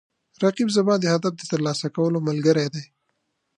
رقیب زما د هدف د ترلاسه کولو ملګری دی